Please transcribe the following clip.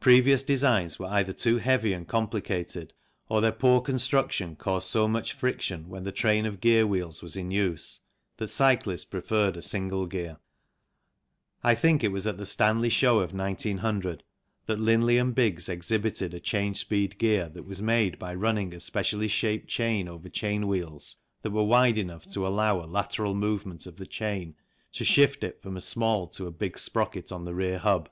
Previous designs were either too heavy and complicated or their poor construction caused so much friction when the train of gear wheels was in use that cyclists preferred a single gear. I think it was at the Stanley Show of 1900 that Linley and Biggs exhibited a change speed gear that was made by running a specially shaped chain over chain wheels that were wide enough to allow a lateral movement of the chain to shift it from a small to a big sprocket on the rear hub.